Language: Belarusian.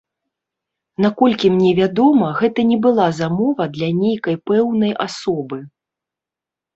Наколькі мне вядома, гэта не была замова для нейкай пэўнай асобы.